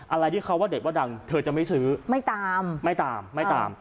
อะไรที่เขาว่าเด็ดว่าดังเธอจะไม่ซื้อไม่ตามไม่ตามไม่ตาม